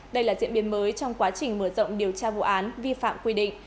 đây là diễn biến mới trong quá trình mở rộng điều tra vụ án vi phạm quy định